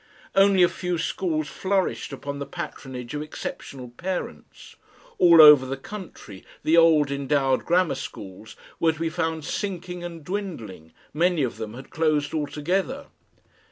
Only a few schools flourished upon the patronage of exceptional parents; all over the country the old endowed grammar schools were to be found sinking and dwindling; many of them had closed altogether.